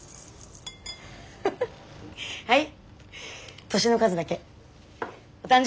はい。